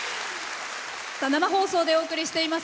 生放送でお送りしています